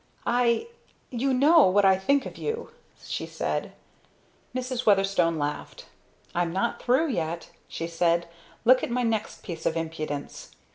"I you know what I think of you!" she said. Mrs. Weatherstone laughed. "I'm not through yet," she said. "Look at my next piece of impudence!"